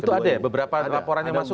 itu ada ya beberapa laporan yang masuk